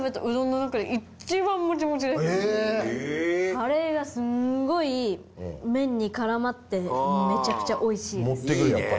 カレーがすんごい麺に絡まってめちゃくちゃおいしいです。